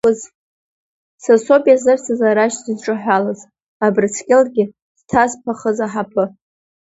Са соуп иазырсыз арашь зыдҿаҳәалаз, Абрыскьылгьы дҭазԥахыз аҳаԥы.